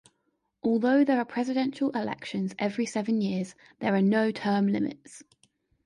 Although there are presidential elections every seven years, there are no term limits.